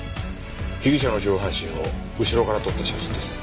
被疑者の上半身を後ろから撮った写真です。